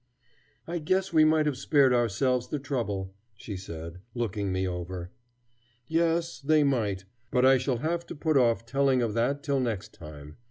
"I guess we might have spared ourselves the trouble," she said, looking me over. Yes, they might. But I shall have to put off telling of that till next time.